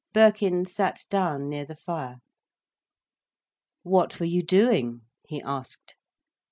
Birkin sat down near the fire. "What were you doing?" he asked.